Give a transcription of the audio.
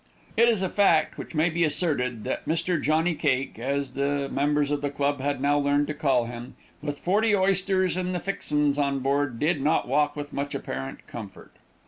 It is a fact which may be asserted, that Mr. Johnny Cake, as the members of the club had now learned to call him, with forty "oysters and the fixens" on board, did not walk with much apparent comfort.